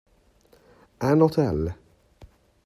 An hotel